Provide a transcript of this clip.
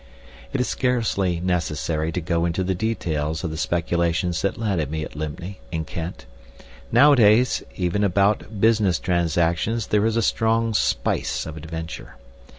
It is scarcely necessary to go into the details of the speculations that landed me at Lympne, in Kent. Nowadays even about business transactions there is a strong spice of adventure.